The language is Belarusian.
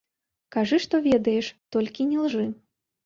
Кажы што ведаеш, толькі не лжы.